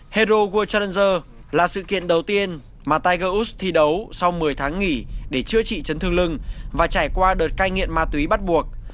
hero world travelder là sự kiện đầu tiên mà taigaus thi đấu sau một mươi tháng nghỉ để chữa trị chấn thương lưng và trải qua đợt cai nghiện ma túy bắt buộc